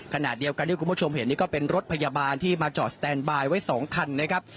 ขณะเดียวกันที่คุณผู้ชมเห็นนี่ก็เป็นรถพยาบาลที่มาจอดสแตนบายไว้๒คันนะครับ